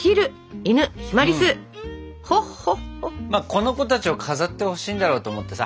この子たちを飾ってほしいんだろうと思ってさ。